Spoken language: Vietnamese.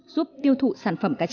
giúp tiêu thụ sản phẩm cacha